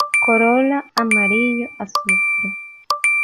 Corola amarillo azufre.